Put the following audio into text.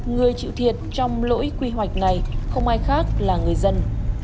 người chịu thiệt trong lỗi quy hoạch này không ai khác là người dân